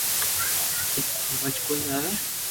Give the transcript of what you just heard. ھمج ڪوئي آوي